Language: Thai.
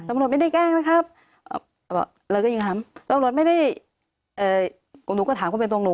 ตำลวดไม่ได้แกล้งนะครับเราก็ยิงคำตำลวดไม่ได้เอ่อหนูก็ถามว่าเป็นตรงหนู